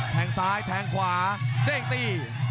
แทงซ้ายแทงขวาเด้งตี